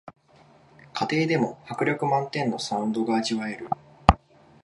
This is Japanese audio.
家庭でも迫力満点のサウンドが味わえる